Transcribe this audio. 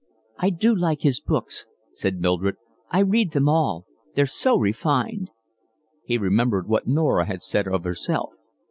"I do like his books," said Mildred. "I read them all. They're so refined." He remembered what Norah had said of herself.